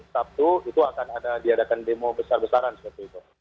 sabtu itu akan ada diadakan demo besar besaran seperti itu